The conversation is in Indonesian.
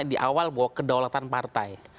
di awal bahwa kedaulatan partai